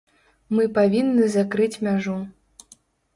Мы павінны закрыць мяжу.